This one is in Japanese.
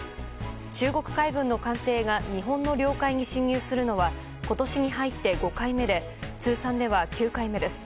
中国海軍の艦艇が日本の領海に侵入するのは今年に入って５回目で通算では９回目です。